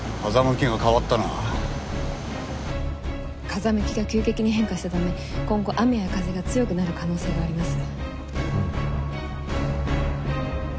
風向きが急激に変化したため今後雨や風が強くなる可能性があります。